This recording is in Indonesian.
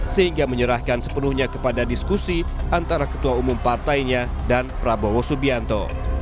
sehingga menyerahkan sepenuhnya kepada diskusi antara ketua umum partainya dan prabowo subianto